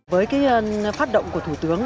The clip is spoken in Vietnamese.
với phát động của thủ tướng